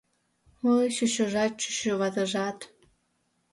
Ой, чӱчӱжат, чӱчӱватыжат...